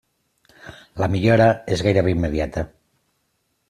La millora és gairebé immediata.